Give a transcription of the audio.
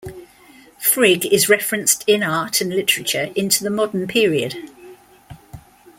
Frigg is referenced in art and literature into the modern period.